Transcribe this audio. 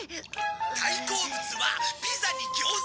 「大好物はピザに餃子」